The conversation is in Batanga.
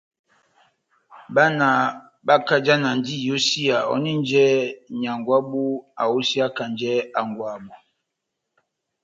Bána bakajanandi iyosiya ohòninjɛ nyángwɛ wabu ayosiyakanjɛ hángwɛ wabu.